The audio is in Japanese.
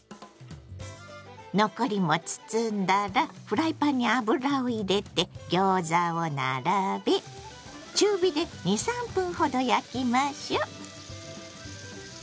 残りも包んだらフライパンに油を入れてギョーザを並べ中火で２３分ほど焼きましょ。